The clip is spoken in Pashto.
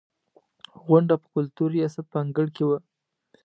غونډه په کلتور ریاست په انګړ کې وه.